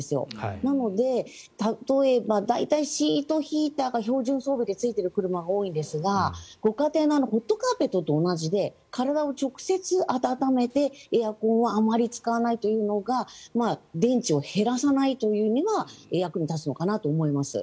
なので、例えば大体シートヒーターが標準装備でついているものが多いんですがご家庭のホットカーペットと同じで体を直接温めて、エアコンはあまり使わないというのが電池を減らさないというのには役に立つんだと思います。